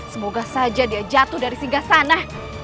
semoga saja dia jatuh dari singgah sana